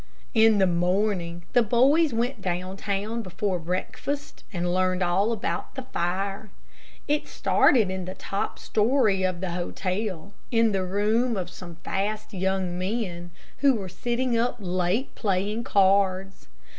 In the morning the boys went down town before breakfast and learned all about the fire. It started in the top story of the hotel, in the room of some fast young men, who were sitting up late playing cards.